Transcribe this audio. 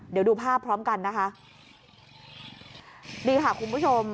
เดี๋ยวดูภาพพร้อมกันนะคะนี่ค่ะคุณผู้ชม